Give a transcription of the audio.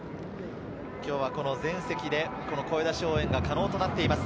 今日は全席で声出し応援が可能となっています。